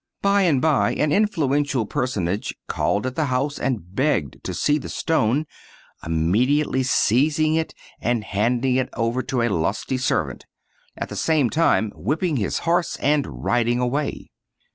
By and by an influential personage called at the house and begged to see the stone, immediately seizing it and handing it over to a lusty servant, at the same time iwhipping his horse and riding away.